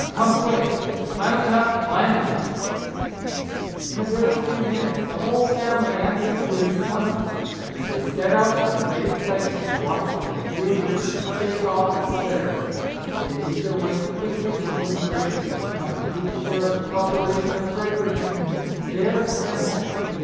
Come quick. It's piling up finely !" 122 Our Little Canadian Cousin In a very few minutes the whole family answered to his summons, and they set out in great excitement to watch their dear river shake off its fetters. They made their way quickly to the wooden bridge, and found a good share of the population of Fredericton there assem bled.